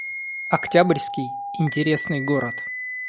Октябрьский — интересный город